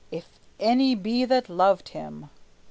"If any be that loved him!"